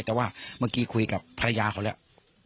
แต่ว่าเมื่อกี้คุยกับภรรยาเขาแล้ว